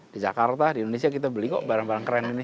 di jakarta di indonesia kita beli kok barang barang keren ini